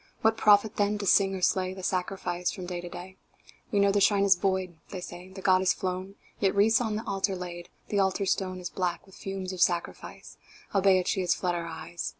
What profit, then, to sing or slay The sacrifice from day to day? "We know the Shrine is void," they said, "The Goddess flown Yet wreaths are on the Altar laid The Altar Stone Is black with fumes of sacrifice, Albeit She has fled our eyes.